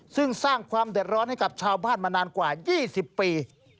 ซึ่งสร้างความเดือดร้อนให้กับชาวบ้านมานานกว่า๒๐ปี